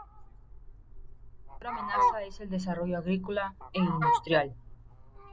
La mayor amenaza es el desarrollo agrícola e industrial.